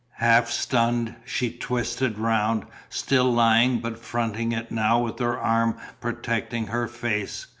Half stunned, she twisted round, still lying but fronting it now with her arm protecting her face.